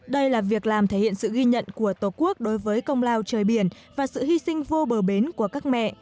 đây là việc làm thể hiện sự ghi nhận của tổ quốc đối với công lao trời biển và sự hy sinh vô bờ bến của các mẹ